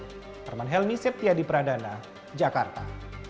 herman helmy septiadi pradana jakarta